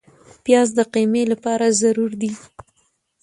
پیاز د قیمې لپاره ضروري دی